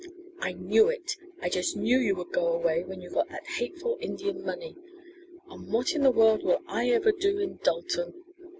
"I knew it! I just knew you would go away when you got that hateful Indian money. And what in the world will I ever do in Dalton?